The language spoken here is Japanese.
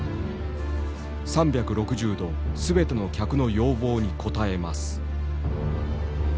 「３６０度全ての客の要望に応えます」。